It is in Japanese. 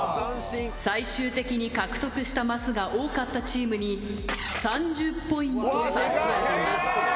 最終的に獲得したマスが多かったチームに３０ポイント差し上げます。